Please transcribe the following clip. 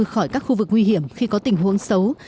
khỏi các khu vực nguy hiểm khi có tình huống xấu